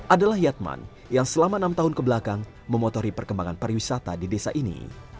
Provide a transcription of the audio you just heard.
adalah yatman yang selama enam tahun kebelakang memotori perkembangan pariwisata di desa ini